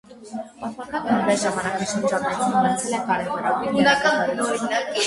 Պատմական տարբեր ժամանակաշրջաններում ունեցել է կարևորագույն դերակատարություն։